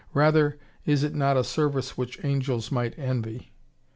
Rather, is it not a service which angels might envy?"